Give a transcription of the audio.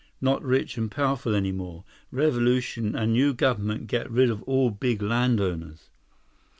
Not rich and powerful any more. Revolution and new government get rid of all big landowners."